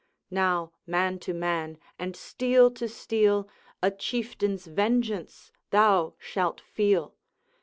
Now, man to man, and steel to steel, A Chieftain's vengeance thou shalt feel.